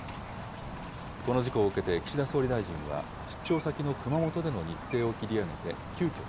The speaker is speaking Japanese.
この事故を受けて、岸田総理大臣は、出張先の熊本での日程を切り上げて急きょ